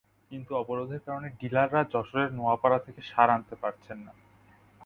কিন্তু অবরোধের কারণে ডিলাররা যশোরের নোয়াপাড়া থেকে সার আনতে পারছেন না।